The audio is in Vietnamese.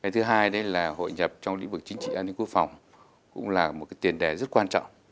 thứ hai là hội nhập trong lĩnh vực chính trị an ninh quốc phòng cũng là một tiền đề rất quan trọng